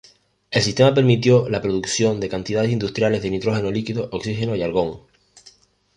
El sistema permitió la producción de cantidades industriales de nitrógeno líquido, oxígeno y argón.